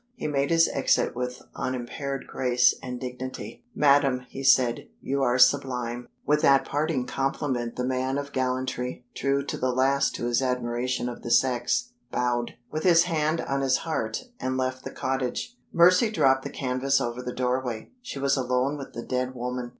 He made his exit with unimpaired grace and dignity. "Madam," he said, "you are sublime!" With that parting compliment the man of gallantry true to the last to his admiration of the sex bowed, with his hand on his heart, and left the cottage. Mercy dropped the canvas over the doorway. She was alone with the dead woman.